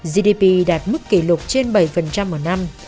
gdp đạt mức kỷ lục trên bảy mỗi năm